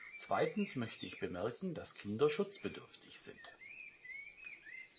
Zweitens möchte ich bemerken, dass Kinder schützbedürftig sind.